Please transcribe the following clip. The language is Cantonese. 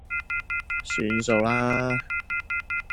算數啦